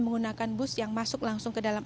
menggunakan bus yang masuk langsung ke dalam